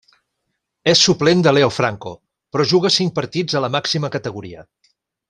És suplent de Leo Franco, però juga cinc partits a la màxima categoria.